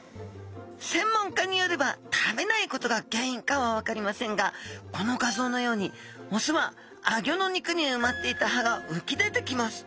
専門家によれば食べないことが原因かは分かりませんがこの画像のようにオスはアギョの肉に埋まっていた歯がうき出てきます。